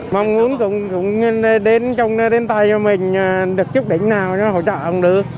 mong muốn cũng đến tay cho mình được chúc đỉnh nào nó hỗ trợ cũng được